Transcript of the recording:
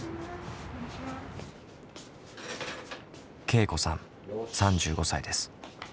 けいこさん３５歳です。